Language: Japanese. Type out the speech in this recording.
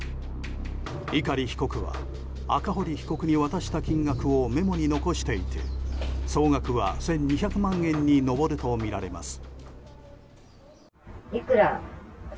碇被告は、赤堀被告に渡した金額をメモに残していて総額は１２００万円に上るとみられます。